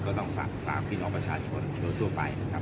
ก็ต้องฝากตามพี่น้องประชาชนทั่วไปนะครับ